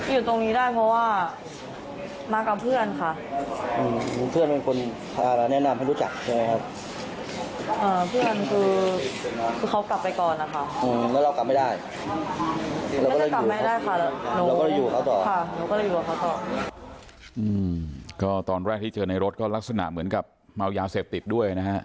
ก็ตอนแรกที่เจอในรถก็ลักษณะเหมือนกับเมายาเสพติดด้วยนะฮะ